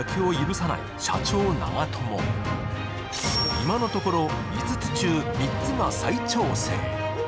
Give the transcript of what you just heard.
今のところ５つ中３つが再調整。